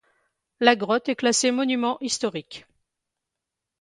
La grotte est classée monument historique.